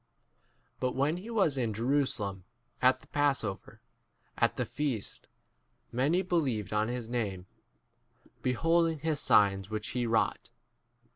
23 But when he was in Jerusalem, at the passover, at the feast, many believed on n his name, beholding 24 his signs which he wrought.